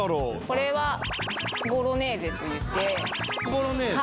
これはボロネーゼといって・ボロネーゼ？